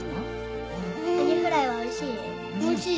アジフライはおいしい？